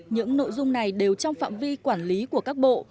những nội dung này đều trong phạm vi quản lý của các bộ